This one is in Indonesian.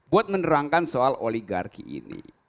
buat menerangkan soal oligarki ini